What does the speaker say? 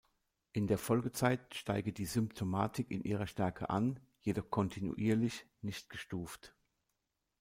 In der Folgezeit steige die Symptomatik in ihrer Stärke an, jedoch kontinuierlich, nicht gestuft.